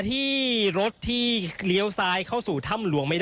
อันนี้คือเต็มร้อยเปอร์เซ็นต์แล้วนะครับ